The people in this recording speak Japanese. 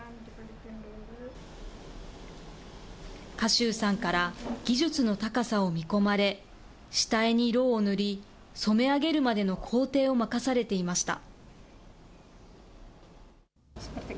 賀集さんから技術の高さを見込まれ、下絵にろうを塗り、染め上げるまでの工程を任されていました。